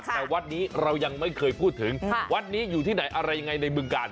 แต่วัดนี้เรายังไม่เคยพูดถึงวัดนี้อยู่ที่ไหนอะไรยังไงในบึงกาล